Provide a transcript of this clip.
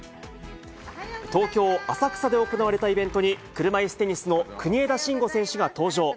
東京・浅草で行われたイベントに、車いすテニスの国枝慎吾選手が登場。